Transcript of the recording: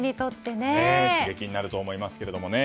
刺激になると思いますけども。